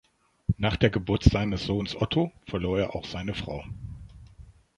Nach der Geburt seines Sohnes Otto verlor er auch seine Frau.